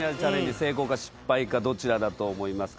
成功か失敗かどちらだと思いますか？